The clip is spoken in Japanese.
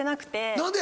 何で？